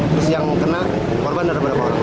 terus yang kena korban dari berapa orang